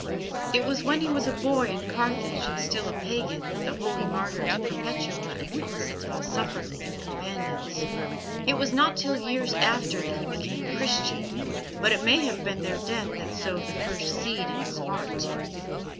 It was when he was a boy in Carthage and still a pagan that the holy martyrs Perpetua and Felicitas suffered with their companions. It was not till years after that he became a Christian, but it may have been their death that sowed the first seed in his heart."